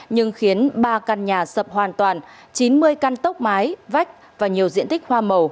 nhưng khiến ba căn nhà sập hoàn toàn chín mươi căn tốc mái vách và nhiều diện tích hoa màu